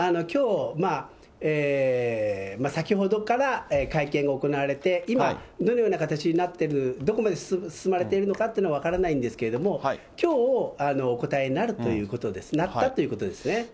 きょう、先ほどから会見が行われて、今、どのような形になってる、どこまで進まれているのかというのは分からないんですけれども、きょう、お答えになるということです、なったということですね。